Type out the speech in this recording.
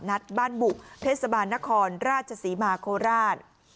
นัดบ้านบุกเทศบาลนครราชศรีมาโคราช